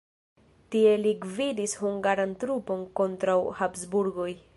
Tie li gvidis hungaran trupon kontraŭ Habsburgoj.